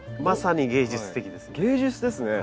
まさに芸術的です。